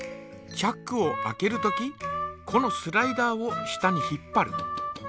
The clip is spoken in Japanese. チャックを開けるときこのスライダーを下に引っぱる。